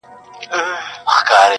یا به مري یا به یې بل څوک وي وژلی-